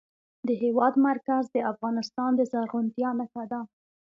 د هېواد مرکز د افغانستان د زرغونتیا نښه ده.